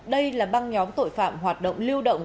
đây là băng nhóm tội phạm hoạt động lưu động